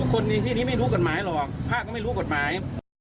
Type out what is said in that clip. คนในที่นี้ไม่รู้กฎหมายหรอกพระก็ไม่รู้กฎหมาย